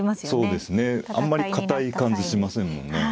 そうですねあんまり堅い感じしませんもんね。